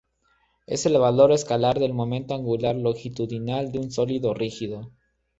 Es el valor escalar del momento angular longitudinal de un sólido rígido.